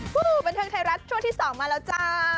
สู่บันเทิงไทยรัฐช่วงที่๒มาแล้วจ้า